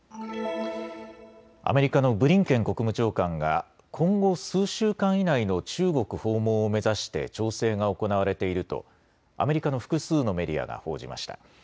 アメリカのブリンケン国務長官が今後数週間以内の中国訪問を目指して調整が行われているとアメリカの複数のメディアが報じました。